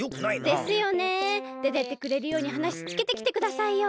でてってくれるようにはなしつけてきてくださいよ。